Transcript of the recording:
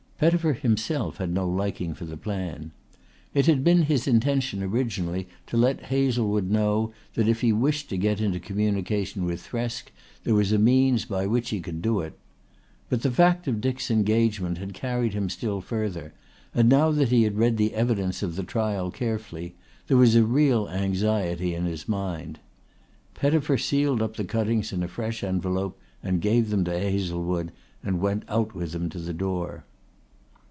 Pettifer himself had no liking for the plan. It had been his intention originally to let Hazlewood know that if he wished to get into communication with Thresk there was a means by which he could do it. But the fact of Dick's engagement had carried him still further, and now that he had read the evidence of the trial carefully there was a real anxiety in his mind. Pettifer sealed up the cuttings in a fresh envelope and gave them to Hazlewood and went out with him to the door.